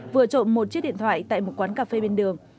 vừa trộm một chiếc điện thoại tại một quán cà phê bên đường